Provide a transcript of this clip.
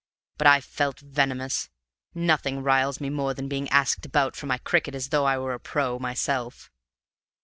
But I felt venomous! Nothing riles me more than being asked about for my cricket as though I were a pro. myself."